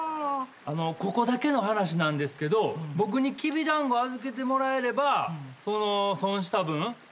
ここだけの話なんですけど僕にきびだんご預けてもらえればその損した分取り返せますけどね。